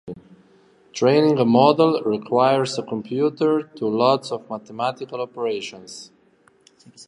Training a model requires a computer to do lots of mathematical operations.